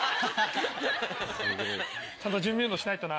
ちゃんと準備運動しないとな。